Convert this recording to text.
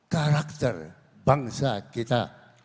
karakter bangsa kita